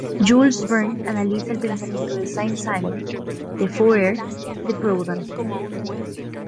Jules Verne analiza el pensamiento de Saint-Simon, de Fourier, de Proudhon.